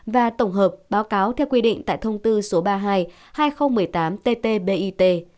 và tổng hợp báo cáo theo quy định tại thông tư số ba mươi hai hai nghìn một mươi tám tt bit